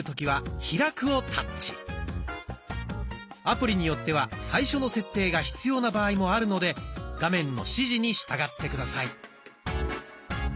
アプリによっては最初の設定が必要な場合もあるので画面の指示に従って下さい。